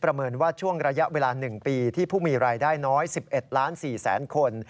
เมินว่าช่วงระยะเวลา๑ปีที่ผู้มีรายได้น้อย๑๑ล้าน๔แสนคน